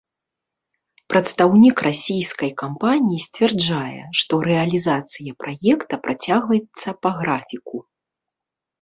Прадстаўнік расійскай кампаніі сцвярджае, што рэалізацыя праекта працягваецца па графіку.